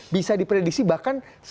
bisa diprediksi bahkan